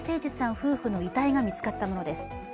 夫婦の遺体が見つかったものです。